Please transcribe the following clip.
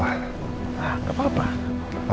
aku hanya ingin mengembalikannya